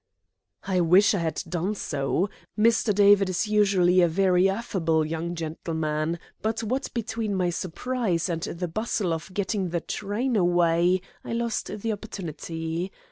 "I wish I had done so. Mr. David is usually a very affable young gentleman, but, what between my surprise and the bustle of getting the train away, I lost the opportunity.